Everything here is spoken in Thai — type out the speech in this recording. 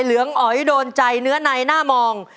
เหลืองอ๋อยโดนใจเนื้อในหน้ามอง